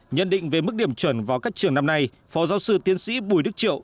nhận định về mức điểm chuẩn vào các trường năm nay phó giáo sư tiến sĩ bùi đức triệu